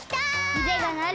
うでがなる！